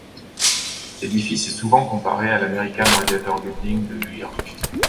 L'édifice est souvent comparé à l'American Radiator Building de New York.